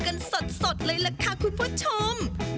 กันสดเลยล่ะค่ะคุณผู้ชม